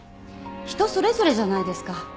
人それぞれじゃないですか。